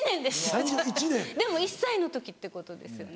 でも１歳の時ってことですよね。